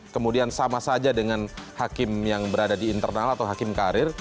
kemudian sama saja dengan hakim yang berada di internal atau hakim karir